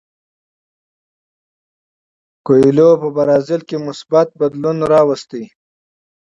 کویلیو په برازیل کې مثبت بدلون راولي.